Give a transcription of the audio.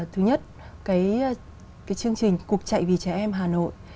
thứ nhất cái chương trình cục chạy vì trẻ em hà nội